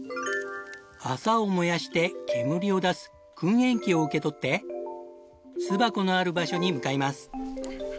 麻を燃やして煙を出す燻煙器を受け取って巣箱のある場所に向かいます。